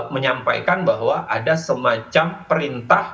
menyampaikan bahwa ada semacam perintah